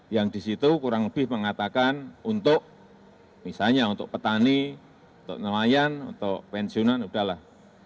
yang di situ kurang lebih mengatakan untuk misalnya untuk petani untuk nelayan untuk pensiunan udahlah